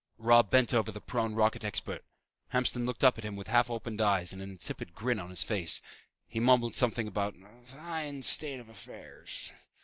Robb bent over the prone rocket expert. Hamston looked up at him with half opened eyes and an insipid grin on his face. He mumbled something about "a fine state of affairs."